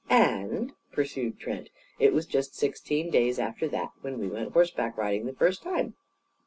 "And," pursued Trent, "it was just sixteen days after that when we went horseback riding the first time.